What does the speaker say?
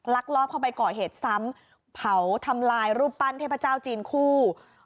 ลอบเข้าไปก่อเหตุซ้ำเผาทำลายรูปปั้นเทพเจ้าจีนคู่